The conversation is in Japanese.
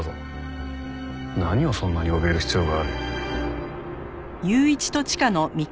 何をそんなにおびえる必要がある？